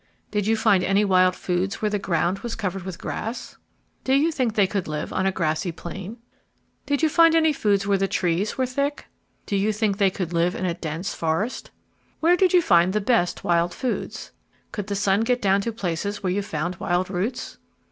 Did you find any wild foods where the ground was covered with grass? Do you think they could live on a grassy plain? Did you find any wild foods where the trees were thick? Do you think they could live in a dense forest? Where did you find the best wild foods? Could the sun get down to places where you found wild roots?